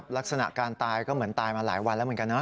ลักษณะการตายก็เหมือนตายมาหลายวันแล้วเหมือนกันนะ